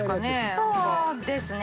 そうですね。